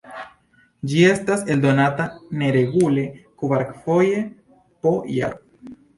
Ĝi estas eldonata neregule kvarfoje po jaro.